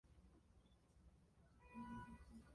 Abana batandatu bari mu gicucu cyigiti kibisi kibabi